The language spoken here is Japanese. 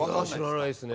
知らないですね。